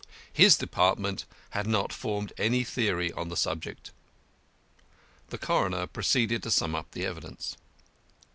His Department had not formed any theory on the subject. The coroner proceeded to sum up the evidence.